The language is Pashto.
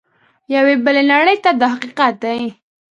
یوې بلې نړۍ ته دا حقیقت دی.